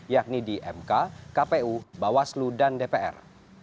yakni di mk kpu bawaslu dan dpr